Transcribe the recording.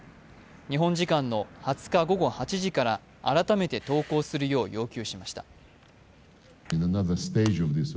日本時間の２０日午後８時から改めて投降するよう要求しました。